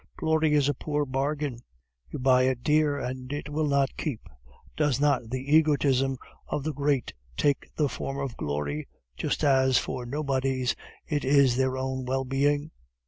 "Glory is a poor bargain; you buy it dear, and it will not keep. Does not the egotism of the great take the form of glory, just as for nobodies it is their own well being?"